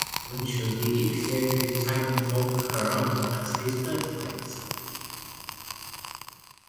However, some sources mention the Ethiopian town of Harar as his birthplace.